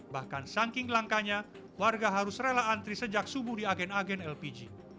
bahkan saking langkanya warga harus rela antri sejak subuh di agen agen lpg